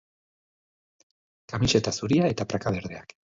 Kamiseta zuria eta praka berdeak.